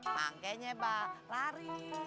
mangkainya mbak lari